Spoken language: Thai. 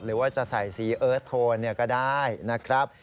หรือว่าจะใส่สีเอิร์ทโทนก็ได้นะครับ